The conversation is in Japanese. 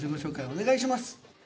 お願いします。